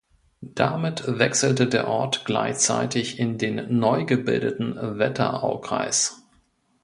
Damit wechselte der Ort gleichzeitig in den neu gebildeten Wetteraukreis.